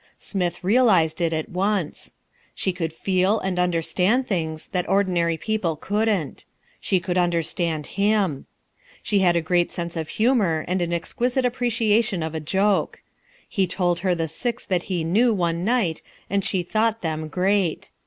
Smith realized it at once. She could feel and understand things that ordinary people couldn't. She could understand him. She had a great sense of humour and an exquisite appreciation of a joke. He told her the six that he knew one night and she thought them great.